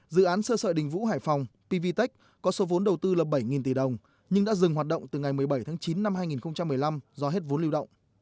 dự án sơ sợi đình vũ hải phòng pvtec có số vốn đầu tư là bảy tỷ đồng nhưng đã dừng hoạt động từ ngày một mươi bảy tháng chín năm hai nghìn một mươi năm do hết vốn lưu động